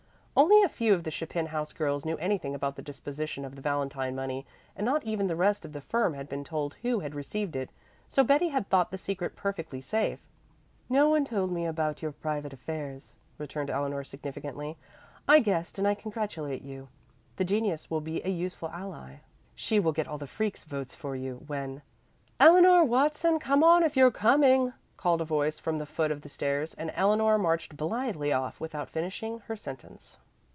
Only a few of the Chapin house girls knew anything about the disposition of the valentine money, and not even the rest of the firm had been told who had received it. So Betty had thought the secret perfectly safe. "No one told me about your private affairs," returned Eleanor significantly. "I guessed and I congratulate you. The genius will be a useful ally. She will get all the freaks' votes for you, when " "Eleanor Watson, come on if you're coming," called a voice from the foot of the stairs, and Eleanor marched blithely off, without finishing her sentence.